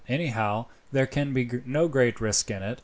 Anyhow, there can be no great risk in it.